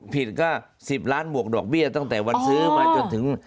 ผิดก็๑๐ล้านบวกดอกเบี้ยตั้งแต่วันซื้อมาจนถึง